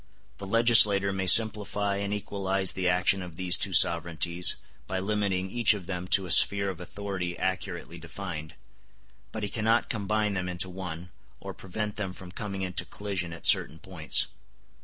The legislator may simplify and equalize the action of these two sovereignties, by limiting each of them to a sphere of authority accurately defined; but he cannot combine them into one, or prevent them from coming into collision at certain points.